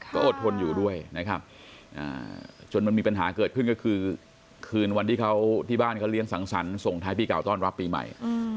ก็อดทนอยู่ด้วยนะครับจนมันมีปัญหาเกิดขึ้นก็คือคืนวันที่เขาที่บ้านเขาเลี้ยงสังสรรค์ส่งท้ายปีเก่าต้อนรับปีใหม่